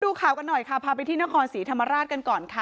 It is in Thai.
ดูข่าวกันหน่อยค่ะพาไปที่นครศรีธรรมราชกันก่อนค่ะ